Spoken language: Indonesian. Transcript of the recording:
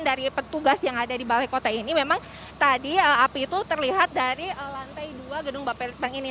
dari petugas yang ada di balai kota ini memang tadi api itu terlihat dari lantai dua gedung bapelitbang ini